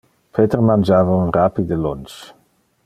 Peter mangiava un rapide lunch.